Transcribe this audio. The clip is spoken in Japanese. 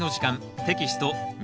テキスト２